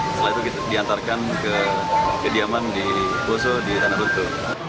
setelah itu diantarkan ke kediaman di poso di tanah runtuh